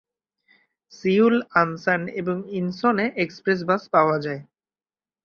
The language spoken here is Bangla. সিউল, আনসান এবং ইনছনে এক্সপ্রেস বাস পাওয়া যায়।